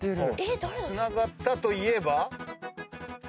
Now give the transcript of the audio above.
つながったといえば？